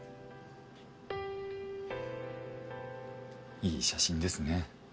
いい写真ですね。